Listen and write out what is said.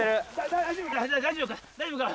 大丈夫か？